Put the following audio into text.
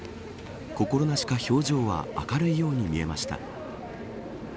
心なしか表情は明るいように見えました。